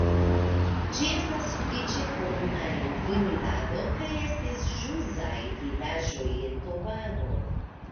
Ĝi estas sufiĉe komuna en Trinidado, kaj estis ĵusaj vidaĵoj en Tobago.